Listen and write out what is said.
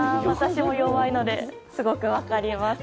私も弱いのですごく分かります。